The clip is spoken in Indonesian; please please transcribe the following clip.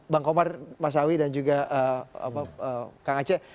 bang komar mas awi dan juga kang aceh